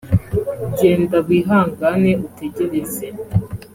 genda wihangane utegereze